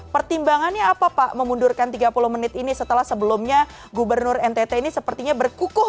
pertimbangannya apa pak memundurkan tiga puluh menit ini setelah sebelumnya gubernur ntt ini sepertinya berkukuh